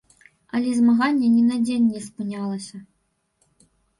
Але змаганне ні на дзень не спынялася.